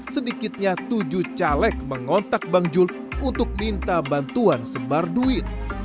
sedikitnya tujuh caleg mengontak bang jul untuk minta bantuan sembar duit